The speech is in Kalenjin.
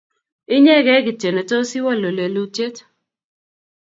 Inyegei kityo ne tos iwalu lelutyet